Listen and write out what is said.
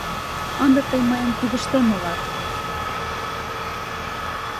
Ынде тый мыйын кидыштем улат.